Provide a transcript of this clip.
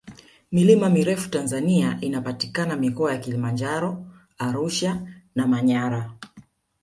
milima mirefu tanzania inapatikana mikoa ya kilimanjaro arusha na manyara